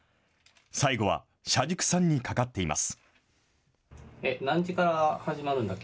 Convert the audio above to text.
最後は車軸さんにかかっています。